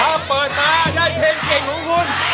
ถ้าเปิดมาได้เพลงเก่งของคุณ